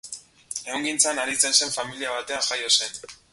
Ehungintzan aritzen zen familia batean jaio zen.